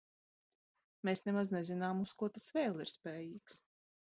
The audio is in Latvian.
Mēs nemaz nezinām, uz ko tas vēl ir spējīgs.